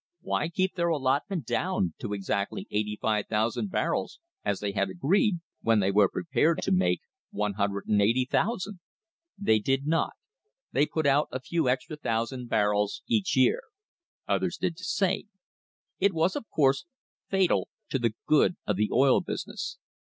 Why keep their allotment down to exactly 85,000 barrels, as they had agreed, when they were prepared to make 180,000? [201 ] THE HISTORY OF THE STANDARD OIL COMPANY They did not. They put out a few extra thousand barrels each year. Others did the same. It was, of course, fatal to the "good of the oil business."